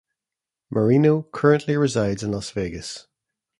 Marino currently resides in Las Vegas.